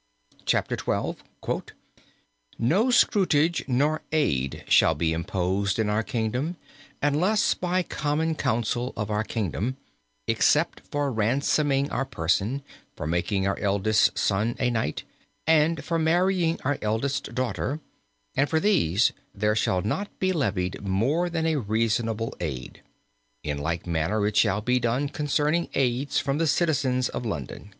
Chapter XII.: "No scutage nor aid shall be imposed in our kingdom, unless by common counsel of our kingdom, except for ransoming our person, for making our eldest son a knight, and for once marrying our eldest daughter; and for these there shall not be levied more than a reasonable aid. In like manner it shall be done concerning aids from the citizens of London."